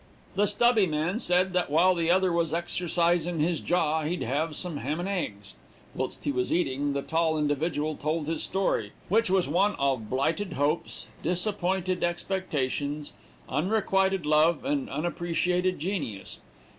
The stubby man said that while the other was "exercisin' his jaw, he'd have some ham'neggs;" whilst he was eating, the tall individual told his story, which was one of blighted hopes, disappointed expectations, unrequited love, and unappreciated genius.